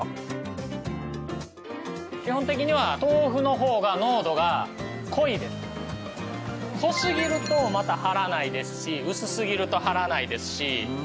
基本的には濃すぎるとまた張らないですし薄すぎると張らないですし。